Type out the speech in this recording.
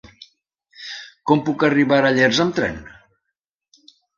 Com puc arribar a Llers amb tren?